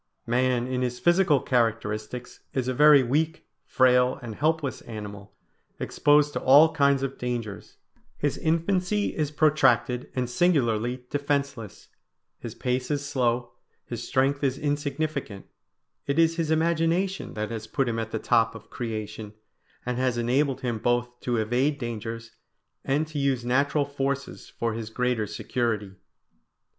Man in his physical characteristics is a very weak, frail, and helpless animal, exposed to all kinds of dangers; his infancy is protracted and singularly defenceless; his pace is slow, his strength is insignificant; it is his imagination that has put him at the top of creation, and has enabled him both to evade dangers and to use natural forces for his greater security.